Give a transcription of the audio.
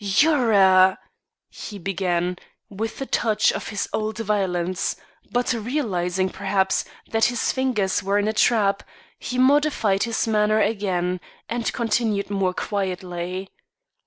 "You 're a " he began, with a touch of his old violence; but realising, perhaps, that his fingers were in a trap, he modified his manner again, and continued more quietly.